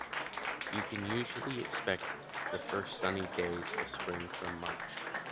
You can usually expect the first sunny days of spring from March.